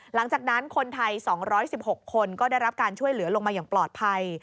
หลังจากนั้นคนไทย๒๑๖คนก็ได้รับการช่วยเหลือลงมาอย่างปลอดภัย